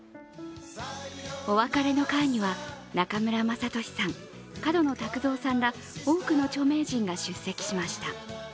お別れの会には中村雅俊さん角野卓造さんら多くの著名人が出席しました。